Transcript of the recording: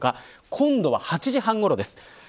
今度は８時半ごろです。